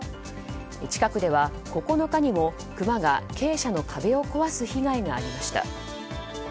近くでは９日にもクマが鶏舎の壁を壊す被害がありました。